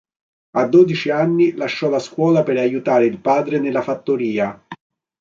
A dodici anni lasciò la scuola per aiutare il padre nella fattoria.